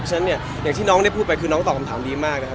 เพราะฉะนั้นอย่างที่น้องได้พูดไปคือน้องตอบคำถามดีมาก